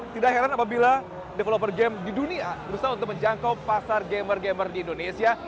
tidak heran apabila developer game di dunia berusaha untuk menjangkau pasar gamer gamer di indonesia